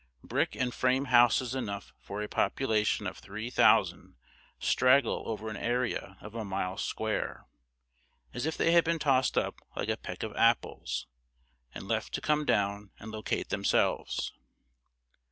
Brick and frame houses enough for a population of three thousand straggle over an area of a mile square, as if they had been tossed up like a peck of apples, and left to come down and locate themselves.